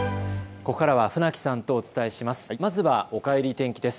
ここからは船木さんとお伝えします。